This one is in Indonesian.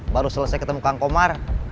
baru selesai ketemu kang komar